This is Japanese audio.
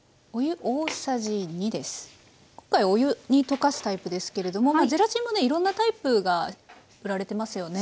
今回お湯に溶かすタイプですけれどもゼラチンもねいろんなタイプが売られてますよね。